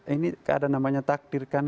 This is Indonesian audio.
ini ada namanya takdir kan